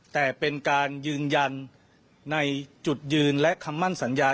แต่เป็นการยืนยันในจุดยืนและคำมั่นสัญญา